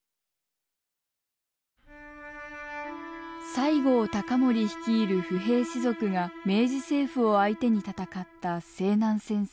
西郷隆盛率いる不平士族が明治政府を相手に戦った西南戦争。